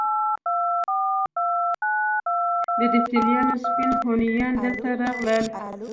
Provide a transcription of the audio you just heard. د یفتلیانو سپین هونیان دلته راغلل